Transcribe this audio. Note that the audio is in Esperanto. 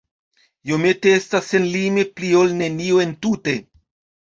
Iomete estas senlime pli ol nenio entute.